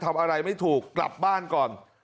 ทำอะไรไม่ถูกกลับบ้านก่อน